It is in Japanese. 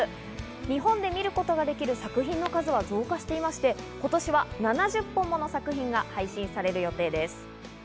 日本で見ることのできる作品の数も増加していて、今年は７０本もの作品が配信される予定です。